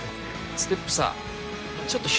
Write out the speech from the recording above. ステップ？